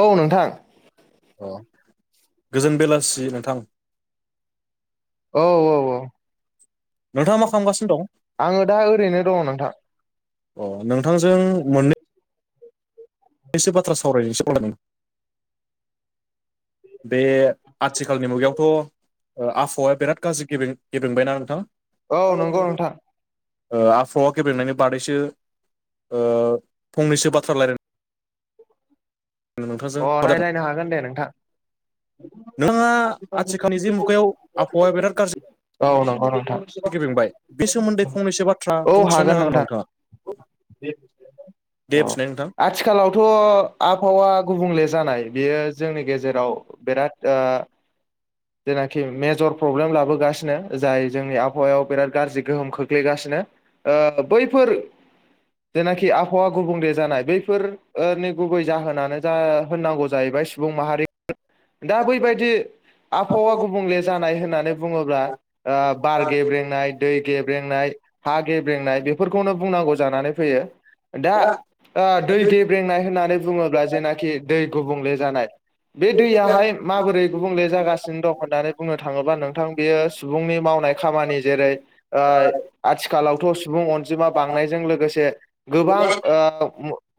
औ नोंथां अ गोजोन बेलासि नोंथां औ औ औ। नोंथाङा मा खालामगासिनो दं आङो दा ओरैनो दङ नोंथां। अ नोंथांजों मोननै सो बाथ्रा सावरायनोसै कल खालामदों बे आथिखालनि मुगायावथ' आबहावाया बिराद गाज्रि गे गेब्रेंबायना नोंथां। औ ओ नंगौ नोंथां‌। आबहावा गेब्रेंनायनि बादैसो फंनैसो बाथ्रा राय्लायनो अ राय्लायनो हागोन दे नोंथां‌। नोंथाङा आथिखालनि जि मुगायाव आबहावाया बिराद गाज्रि औ नंगौ। गेब्रेंबाय बेसोमोन्दै फंनैसो बाथ्रा बुंथिनो हागोन नोंथाङा। अ दे बुंथिनाय नोंथां आथिखालावथ' आबहावा गुबुंले जानाय बियो जोंनि गेजेराव बिराद जेनाखि मेजर प्रब्लेम लाबोगासिनो जाय जोंनि आबहावायाव बिराद गाज्रि गोहोम खोख्लैगासिनो ओ बैफोर [inaudible] जेनाखि आबहावा गुबुंले जानाय बैफोरनि गुबै जाहोनानो जा होननांगौ जाहैबाय सुबुं माहारि दा बैबायदि आबहावा गुबुंले जानाय होननानै बुङोब्ला। ओ बार गेब्रेंनाय दै गेब्रेंनाय हा गेब्रेंनाय बेफोरखौनो बुंनांगौ जानानै। दा दै गेब्रनाय होननानै। बुोब्ला जेनखि गुबुंले जानाय बे दैया माबोरै गुबुंले जागासिनो दं होननानै बुंनो थाङोबा नोंथां बेयो सुबुंनि मावनाय खामानि जेरै आथिखालावथ' सुबुं अनजिमा बांनायजों लोगोसे गोबां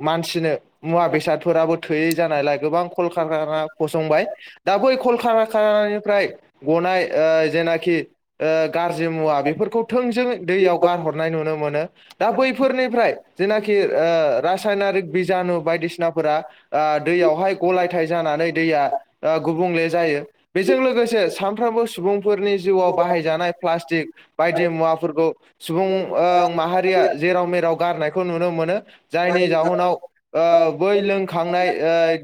मानसिनो मुवा बेसादफोराबो थोयै जानायलाय गोबां कल कल कारखाना फसंबाय दा बै कलकाखानानिफ्राय गनाय जेनाखि गाज्रि मुवा बेफोरखौ थोंजों दैयाव गारहरनाय नुनो मोनो दा बैफोरनिफ्राय जेनाखि राजहायनारिक बिजानु बायदिसिनाफोरा दैयावहाय गलाय ज जानानै दैया गुबुंले जायो बेजों लोगोसे सानफ्रोमबो सुबुंफोरनि जिउआव बाहाय बाहायजानाय प्लासथिक बायदि मुवाफोरखौ सुबुं माहारिया जेराव मेराव गारनाय खौ नुनो मोनो जायनि जाहोनाव बै लोंखांनाय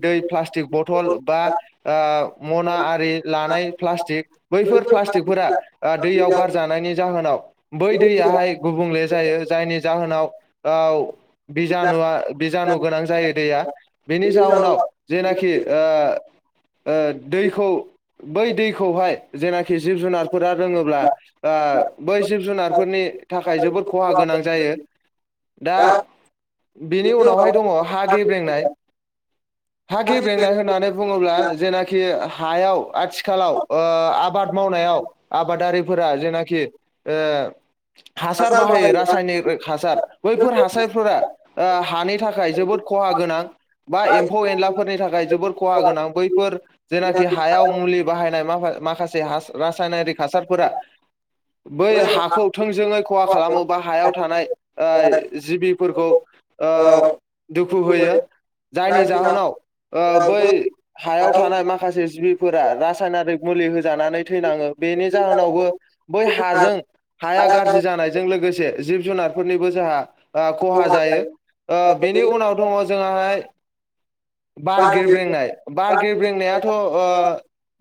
दै प्लास्टिक बथल बथलबा ओ मना आरि लानाय प्लासटिक बैफोर प्लासटिकफोरा बा दैयाव गारजानायनि जाहोनाव बै दैयाहाय गुबुंले जायो जायनि जाहोनाव दाउ बिजानुआ बिजानु गोनां जायो दैया बेनि जाउनाव जेनाखि ओ ओ दैखौ बै दैखौहाय जेनाखि जिब जुनारफोरा लोंओब्ला ओ बै जिब जुनारफोरनि थाखाय जोबोद खहा गोनां जायो। दा बेनि उनावहाय दङ हा गेब्रेंनाय [inaudible] हा गेब्रेंनाय होननानै बुङोब्ला जेनाखि हायाव आथिखालाव ओ आबाद मावनायाव याव आबादारिफोरा जेनाखि ओ हासार बाहायो रासायनिक हासार बैफोर हासारफोरा ओ हानि थाखाय जोबोद खहा गोनां बा एम्फौ एनलाफोरनि थाखाय जबोर खहा गोनां बैफोर जेनाखि हायाव मुलि बाहायनाय माखासे माखासे हास रासायनारिक हासारफोरा बै हाखौ थोंजोङै खहा खालामो बा हायाव थानाय ओ जिबिफोरखौ ओ दुखु होयो जायनि जाहोनाव ओ बै हायाव थानाय माखासे जिबिफोरा रासायनारिक मुलि होजानानै थैनाङो बेनि जाहोनावबो बै हाजों हाया गाज्रि जानायजों लोगोसे जिब जुनार ज फोरनिबो जोंहा खहा जायो बेनि उनाव दङ जों हाय बारगेब्लेंनाय बारगेब्लेंनायाथ' ओ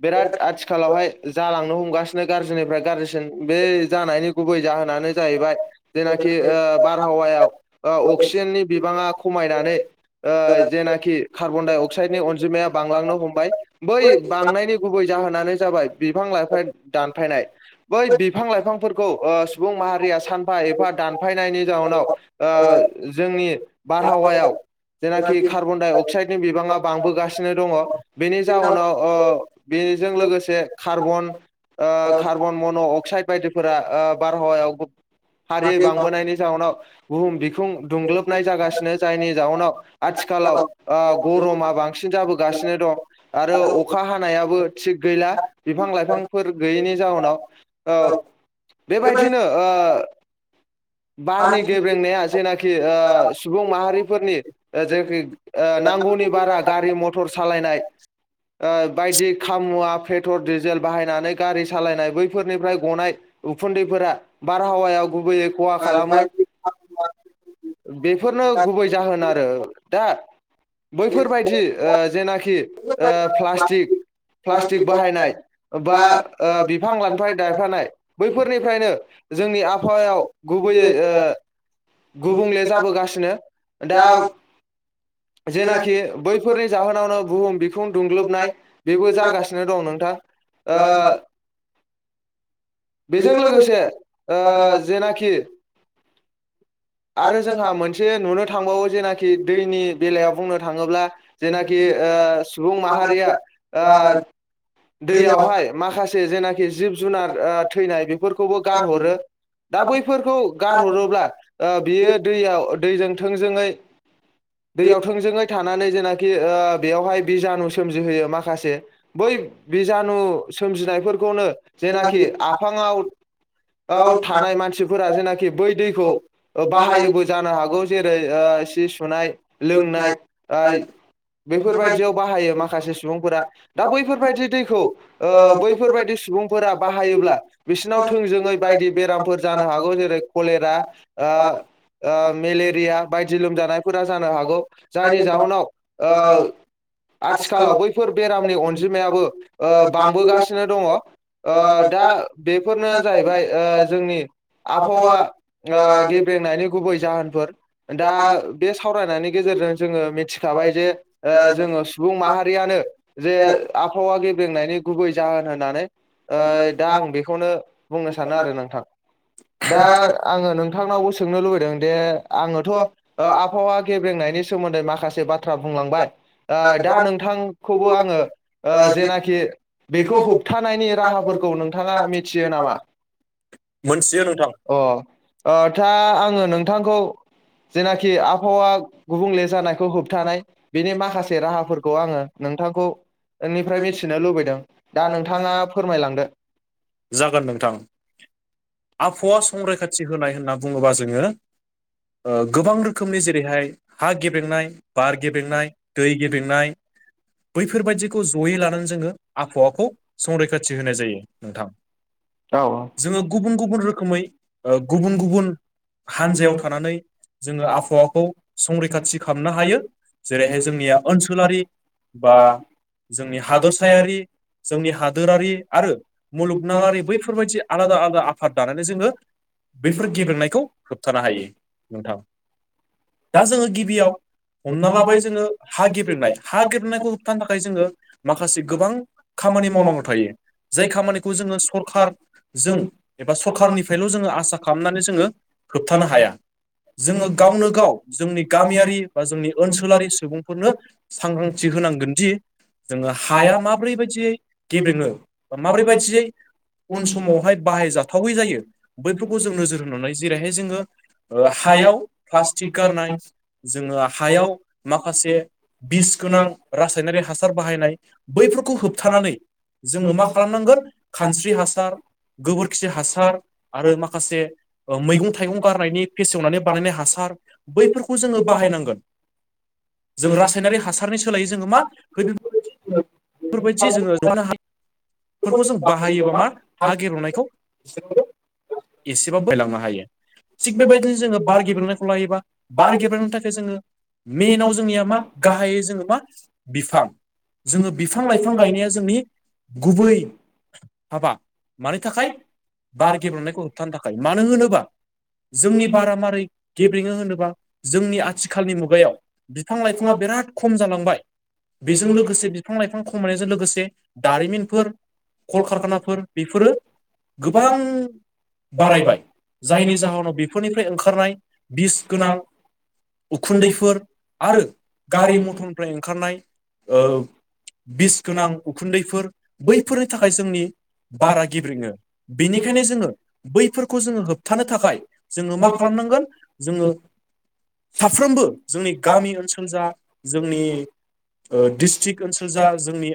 बिराद आथिखालावहाय जालांनो हमगासिनो गाज्रिनिफ्राय गाज्रिसिन बे जानायनि गुबै जाहोन नानो जाहैबाय जेना खि ओ बारहावायाव ओ अक्सिजेननि बिबाङा खमायनानै ओ जेनाखि कार्बन डाइ अक्साइडनि अनजिमाया बांलांनो हमबाय बै बांनायनि गुबै जाहोनानो जाबाय बिफां लाइफां दानफायनाय बै बिफां लाइफांफोरखौ ओ सुबुं माहारि या सानफा एफा दानफायनायनि जाउनाव ओ जोंनि बारहावायाव जेनाखि कार्बन डाइ अक्साइडनि बिबाङा बांबोगासिनो दङ बेनि जाहोनाव ओ बे बेजों लोगोसे कार्बन ओ कार्बन मन' अक्साइद बायदिफोरा ओ बारहावायाव हारि बांबोनायनि जाउनाव बुहुम बिखुं दुंग्लोबनाय जागासिनो जायनि जाउनाव आथिखालावओ गरमा बांसिन जाबोगासिनो दं आरो अखा हानायाबो थि गैला बिफां लाइफांफोर गैयैनि ज जाउनाव औ बेबायदिनो ओ बारनि गेब्रेंनाया जेनाखि ओ सुबुं माहारिफोरनि ओ जेनाखि ओ ओ नांगौनि बारा गारि मथर सालायनाय ओ बायदि खाम मुवा पेट्रल डिजेल बाहायनानै गारि सालायनाय बैफोरनिफ्राय गनाय उफुन्दैफोरा बारहावायाव गुबैयै खहा खालामो बेफोरनो गुबै जाहोन आरो दा बैफोरबायदिओ जेनाखि ओ प्लास्टिक- प्लास्टिक बाहायनाय बा ओ बिफां लाबफाय दायफानाय बैफोर फोर निफ्रायनो जोंनि आबहावायाव गुबैयै ओ गुबुंले जाबोगासिनो दा जेनाखि बैफोरनि जाहोनावनो बुहुम बिखुं दुंग्लोबनाय बेबो जागासिनो दं नोंथां ओ बेजों लोगोसे ओ जेनाखि आरो जोंहा मोनसे नुनो थांबावो जेनाखि दैनि बेलायाव बुंनो थाङोब्ला जेनाखिओ सुबुं माहारिया ओ दैयावहाय माखासे जेनाख जिब जुनार ओ थैनाय बेफोरखौबो गारहरो। दा बै फोरखौ गारहरोब्ला ओ बियो दैयाव दैजों थोंजोङै दैयाव थोंजोङै थानानै जेनाखि ओ बेवहाय बिजानु सोमजिहोयो माखासे, बै बिजानु सोमजिनायफोरखौनो जेनाखि आफाङाव [unintelligible] आव थानाय मानसिफोरा जेनाखि बै दैखौ ओ बाहायोबो जानो हागौ। जेरै ओ सि सुनाय लोंनाय ओइ। बेफोरबायदियाव बाहायो माखासे सु सुबुंफोरा दा बैफोरबायदि दैखौ, बैफोरबायदि सुबुंफोरा बाहायोब्ला बिसिनाव थोंजोङै बायदि बेरामफोर जानो हागौ जेरै कलेरा। ओ ओ मेलेरिया बायदि लोमजानायफोरा जानो हागौ। जायनि जाहोनाव ओ आथिखालाव बैफोर बेरामनि अनजिमायाबो ओ बांबोगासिनो दङ। ओ दा बेफोरनो जाहैबाय ओ जोंनि आबहावा ओ गेब्रेनायनि गुबै जाहोनफोर। दा बे सावरायनायनि गेजेरजों जोङो मिथिखाबाय जे औ जोङो सुबुं माहारियानो जे आबहावा गेब्रेंनायनि गुबै जाहोन होननानै दा आं बेखौनो बुंनो सानो आरो नोंथाङा। [unintelligible] दा आङो नों थांनावबो सोंनो लुगैदों दे, आङोथ' ओ आबहावा गेब्रेंनायनि सोमोन्दै माखासे बाथ्रा बुं लांबाय। ओ दा नोंथांखौबो आङो ओ जेनाखि बेखौ होबथानायनि राहाफोरखौ नोंथाङा मिथियो नामा? मोनथियो नोंथां अह अ था आङो नोंथांखौ जेनाखि आबहावा गुबुंले जानायखौ होबथानाय बेनि माखासे राहाफोरखौ आङो नोंथांखौ नोंनिफ्राय मिथिनो लुबैदों, दा नोंथाङा फोरमायलांदो। जागोन नोंथां। आबहावा संरैखाथि होनाय होनना बुङोबा जोङो ओ गोबां रोखोमनि, जेरैहाय हा गेबेंनाय, बार गेबेंनाय, दै गेबेंनाय। बैफोरबादिखौ जयै लानानै जोङो आबहावाखौ संरैखाथि होनाय जायो नोंथां। औ जोङो गुबुन गुबुन रोखोमै ओ गुबुन गुबुन हानजायाव थानानै जोङो आबहावाखौ संरैखाथि खालामनो हायो। जेरैहाय जोंनिया ओनसोलारि बा जोंनि हादोरसायारि, जोंनि हादोरारि आरो मुलुगनाङारिबो बेफोरबायदि आलादा आलादा आफाद दानानै जोङो बेफोर गब्रेंनायखौ होबथानो हायो नोंथां। दा जोङो गिबियाव हमना लाबाय जोङो हा गेब्रेंनाय, हा गेब्रेंनाय थानो थाखाय जोङो माखासे गोबां खामानि मावनांगौ थायो। जाय खामानिखौ जोङो सरखार जों एबा सरखारनिफ्रायल' जोङो आसा खालामनानै जोङो होबथानो हाया। जोङो गावनो गाव जोंनि गामियारि बा जोंनि ओनसोलारि सुबुंफोरनो सांग्रां थि होनांगोन दि जोङो हाया माब्रै बायदियै गेब्रेङो बा माब्रै बायदियै उन समावहाय बाहायजाथावै जायो, बैफोरखौ जों नोजोर होनानै जेरैहाय जोङो हायाव प्लास्टिक गारनाय जोङो हायाव माखासे बिस गोनां रासायनारि हास सार बाहायनाय, बैफोरखौ होबथानानै जोङो मा खालामनांगोन खानस्रि हासार गोबोरखि हासार आरो माखासे ओ मैगं थाइगं गारनायनि फेसेवनानै बानायनाय हासार, बैफोरखौ जोङो बाहायनांगोन। जों रासायनारि हासारनि सोलायो जोङो मा [unintelligible] फोरबायदि जोङो हाफोरखौ जों बाहायोबा मा हा गेलवनायखौ [unintelligible] एसेबाबो [inaudible] लांनो हायो थिग बेबायदिनो जोङो बार गेब्रेंनायखौ लायोबा बार गेब्रेंनो थाखाय जोङो मेनाव जोंनिया मा गाहायै जोङो मा बिफां, जोङो बिफां-लाइफां गायनाया जोंनि गुबै हाबा। मानि थाखाय‌? बार गेब्रेंनायखौ होबथानो थाखाय मानो होनोबा जोंनि बारा मारै गेब्रेङो होनोबा जोंनि आथिखालनि मुगायाव बिफां-लाइफाङा बिराद खम जालांबाय। बेजों लोगोसे बि लाइफां खमायनायजों लोगोसे दारिमिनफोर, कलकारखानाफोर बेफोरो गोबां बारायबाय जायनि जाहोनाव बेफोरनिफ्राय ओंखारनाय बिस गोनां उखुन्दैफोर आरो गारि मथरनिफ्राय ओंखारनाय ओ बिस गोनां उखुन्दैफोर बैफोरनि थाखाय जोंनि बारा गेब्रेङो। बेनिखायनो जोङो बैफोरखौ जोङो होबथानो थाखाय जोङो मा खालामनांगोन? जोङो साफ्रोमबो जोंनि गामि ओनसोल जा जोंनि ओ डिस्ट्रिक्ट ओनसोल जा जोंनि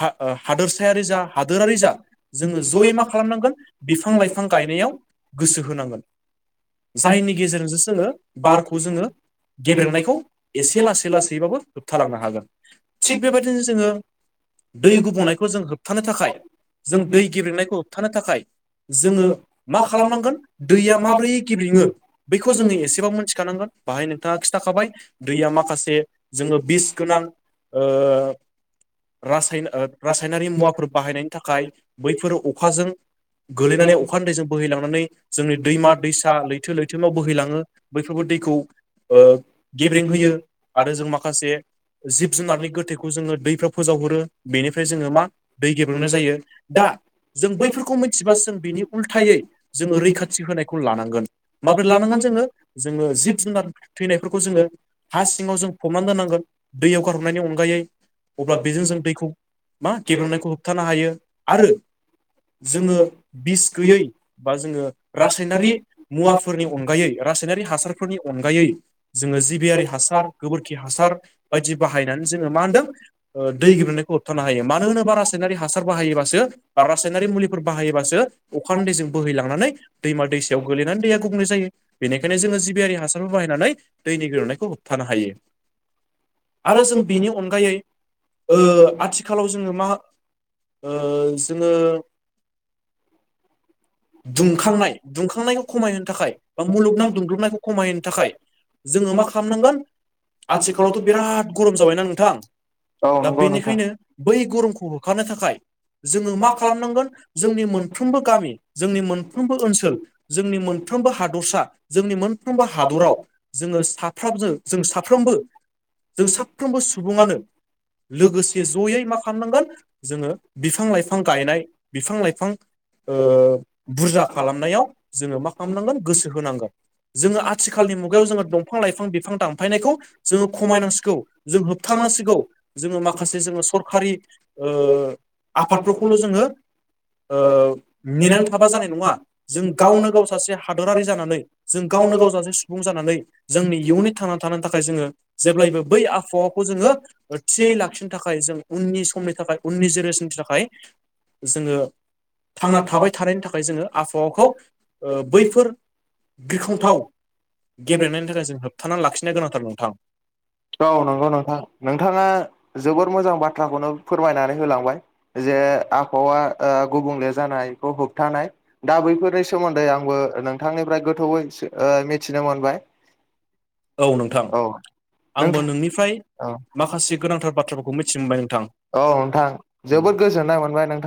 हा हादोरसायारि जा हादोरारि जा जोङो जयै मा खालामनांगोन बिफां लाइफां गायनायाव गोसो होनांगोन। जायनि गेजेरजोंसो जोङो बारखौ जोङो गेब्रेंनायखौ एसे लासै लासै बाबो होबथालांनो हागोन, थिग बेबायदिनो जोङो दै गुबुंनायखौ जों होबथानो थाखाय जों दै गेब्रेंनायखौ होबथानो थाखाय। जोङो मा खालामनांगोन दैया माब्रै गेब्रेङो बेखौ जोङो एसेबाबो मोनथिखानांगोन। बाहाय नोंथाङा खिथाखाबाय दैया माखासे जोङो बिस गोनां ओ रासाय रासायनारि मुवाफोर बाहायनायनि थाखाय बैफोर अखाजों गोलैनानै अखानि दैजों बोहैलांनानै जोंनि दैमा-दैसा लैथो-लैथोमाव बोहैलाङो बैफोरबो दैखौ ओ गेब्रें होयो आरो जों माखासे जिब जुनारनि गोथैखौ जोङो दैफ्राव फोजावहरो बेनिफ्राय जोङो मा दै गेब्रुंनाय जायो दा जों बैफोरखौ मिथिबासो जों बिनि उल्थायै जोङो रैखाथि होनायखौ लानांगोन। माबोरै लानांगोन जोङो? जोङो जिब जुनार थैनायफोरखौ जोङो हा सिङाव जों फबनानै दोनांगोन दैयाव गारहरनायनि अनगायै अब्ला बेजों जों दैखौ मा गेब्रेनायखौ होबथानो हायो आरो जोङो बिस गैयै बा जोङो रासायनारि मुवाफोरनि अनगायै रासायनारि हासारफोरनि अनगायै जोङो जिबियारि हासार, गोबोरखि हासार बायदि बाहायनानै जोङो मा होनदों दै गेब्रेंनायखौ होबथानो हायो मा मानो होनोबा रासायनारि हासार बाहायोबासो बा रासायनारि मुलिफोर बाहायोबासो अखानि दैैजों बोहैलांनानै दैमा दैसायाव गोगलैनानै दैया गुबुंले जायो बेनिखायनो जोङो जिबियारि हासारफोर बाहायनानै दैनि गेब्रेंनायखौ थानो हायो आरो जों बिनि अनगायै ओ आथिखालाव जोङो मा ओ जोङो दुंखांनाय दुंखांनायखौ खमायहोनो थाखाय बा मुलुगनां दुंग्लुबनायखौ खमायहोनो थाखाय जोङो मा खालामनांगोन आथिखालावथ' बिराद गरम जाबायना नोंथां औ दा नंगौ नोंथां बेनिखायनो बै गरमखौ होखारनो थाखाय जोङो मा खालामनांगोन जोंनि मोनफ्रोमबो गामि जोंनि मोनफ्रोमबो ओनसोल, जोंनि मोनफ्रोमबो हादरसा, जोंनि मोनफ्रोमबो हादराव जोङो साफ्रमजो जों साफ्रोमबो जों साफ्रोमबो सुबुङानो लोगोसे जयै मा खालामनांगोन जोङो बिफां लाइफां गायनाय बिफां लाइफां ओ बुरजा खालामनायाव जोङो मा खालामनांगोन गोसो होनांगोन जोङो आथिखाल मुगायाव जोङो दंफां लाइफां बिफां दानफायनायखौ जोङो खमायनांसिगौ, जों होबथांनांसिगौ, जोङो माखासे जोङो सरखारि ओ आफादफोरखौल' जोङो ओ नेनानै थाबा जानाय नङा जों गावनो गाव सासे हादरारि जानानै जों गावनो गाव सासे सुबुं जानानै जोंनि इयुननि थांनानै थानो थाखाय जोङो जेब्लायबो बै आबहावाखौ जोङो थियै लाखिनो थाखाय जों उननि समनि थाखाय उननि जेनेरेसननि थाखाय जोङो थांना थाबाय थानायनि थाखाय जोङो आबहावाखौ ओ बैफोर गिख्रंथाव गेब्रेनायनि थाखाय जों होबथाना लाखिनो गोनांथार नोंथां। औ नोंगौ नोंथां नोंथाङा जोबोद मोजां बाथ थ्राखौनो फोरमायनानै होलांबाय जे आबहावा ओ गुबुंले जानायखौ होबथानाय दा बैफोरनि सोमोन्दै आंबो नोंथांनिफ्राय गोथौयै ओ मिथिनो मोनबाय। [inaudible] औ नोंथां औ। आंबो नोंनिफ्राय माखासे गोनांथार बाथ्राफोरखौ मिथिनो मोनबाय नोंथां। औ नोंथां जोबोद गोजोननाय मोनबाय नोंथां।